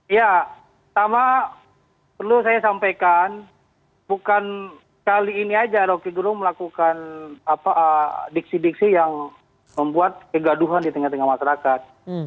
ya pertama perlu saya sampaikan bukan kali ini aja roky gerung melakukan diksi diksi yang membuat kegaduhan di tengah tengah masyarakat